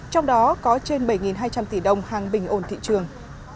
trong đó có trên bảy hai trăm linh tỷ đồng hàng bình ổn thị trường